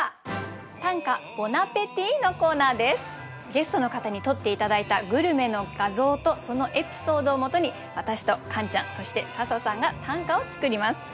ゲストの方に撮って頂いたグルメの画像とそのエピソードをもとに私とカンちゃんそして笹さんが短歌を作ります。